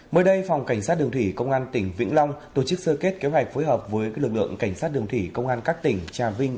mới đây phòng cảnh sát đường thủy công an tỉnh vĩnh long tổ chức sơ kết kế hoạch phối hợp với lực lượng cảnh sát đường thủy công an các tỉnh trà vinh